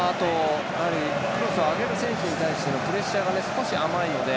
クロスを上げる選手に対してのプレッシャーが少し甘いので。